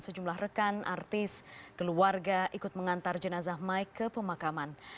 sejumlah rekan artis keluarga ikut mengantar jenazah mike ke pemakaman